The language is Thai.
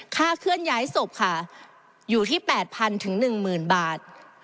ค่าเคลื่อนย้ายศพค่ะอยู่ที่๘๐๐๑๐๐บาท